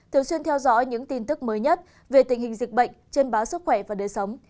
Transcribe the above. thường xuyên theo dõi những tin tức mới nhất về tình hình dịch bệnh trên báo sức khỏe và đời sống